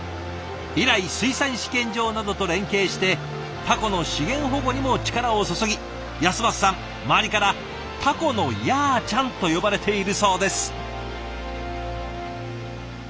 以来水産試験場などと連携してタコの資源保護にも力を注ぎ尉晶さん周りから「タコのやーちゃん」と呼ばれているそうです。